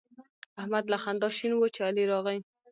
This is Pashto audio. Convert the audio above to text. احمد له خندا شین وو چې علي راغی.